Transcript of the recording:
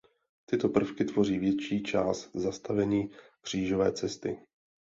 Tyto prvky tvoří větší část zastavení křížové cesty.